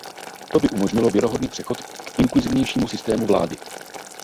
To by umožnilo věrohodný přechod k inkluzivnějšímu systému vlády.